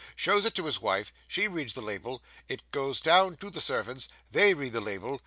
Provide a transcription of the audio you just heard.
Shows it to his wife she reads the label; it goes down to the servants they read the label.